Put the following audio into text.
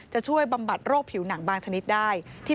ช่วยบำบัดโรคผิวหนังบางชนิดได้